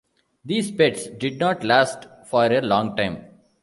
These pets did not last for a long time.